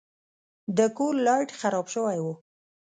د کور لایټ خراب شوی و.